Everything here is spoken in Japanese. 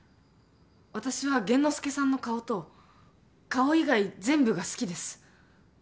私は玄之介さんの顔と顔以外全部が好きです。